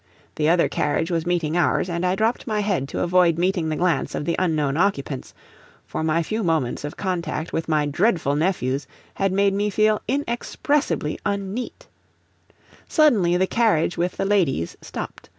The other carriage was meeting ours, and I dropped my head to avoid meeting the glance of the unknown occupants, for my few moments of contact with my dreadful nephews had made me feel inexpressibly unneat. Suddenly the carriage with the ladies stopped.